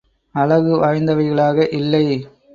அழகு வாய்ந்தவைகளாக இல்லை.